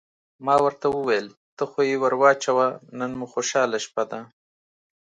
ما ورته وویل: ته خو یې ور واچوه، نن مو خوشحاله شپه ده.